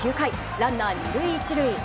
ランナー２塁１塁。